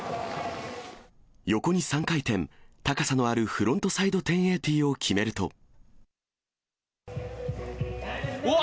横に３回転、高さのあるフロントサイド１０８０を決めると。